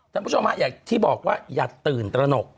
แต่ผู้ชมภาคอยากที่บอกว่าอย่าตื่นตระหนก